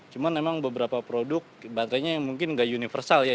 cuma memang beberapa produk batere nya mungkin gak universal ya